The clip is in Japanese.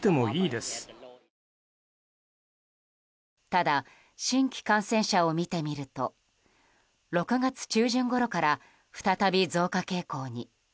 ただ、新規感染者を見てみると６月中旬ごろから再び増加傾向に。